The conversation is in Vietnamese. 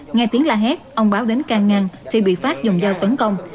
nghe tiếng la hét ông báo đến can ngăn thì bị phát dùng dao tấn công